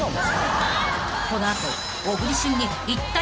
［この後］